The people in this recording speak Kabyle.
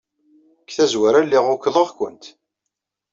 Deg tazwara, lliɣ ukḍeɣ-kent.